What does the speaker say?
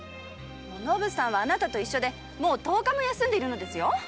おのぶさんはあなたと一緒でもう十日も休んでいるのですよ。